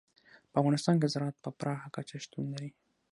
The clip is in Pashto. په افغانستان کې زراعت په پراخه کچه شتون لري.